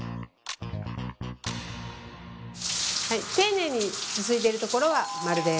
丁寧にすすいでいるところはマルです！